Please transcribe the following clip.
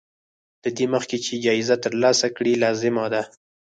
له دې مخکې چې جايزه ترلاسه کړې لازمه ده.